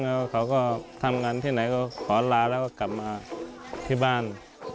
แล้วเขาก็ทำงานที่ไหนก็ขอลาแล้วก็กลับมาที่บ้าน